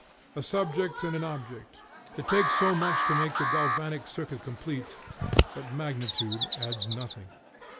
A subject and an object, it takes so much to make the galvanic circuit complete, but magnitude adds nothing.